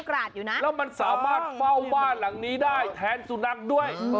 แล้วมันสามารถเฝ้าบ้านหลังนี้ได้แทนสุนัขด้วย